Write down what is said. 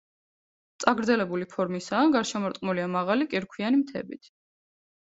წაგრძელებული ფორმისაა, გარშემორტყმულია მაღალი კირქვიანი მთებით.